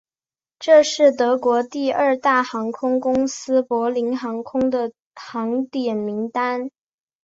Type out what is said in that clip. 这是德国第二大航空公司柏林航空的航点名单。